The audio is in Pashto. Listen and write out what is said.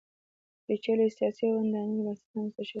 پېچلي سیاسي او ناانډوله بنسټونه رامنځته شوي وي.